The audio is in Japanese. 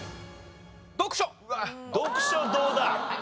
読書どうだ？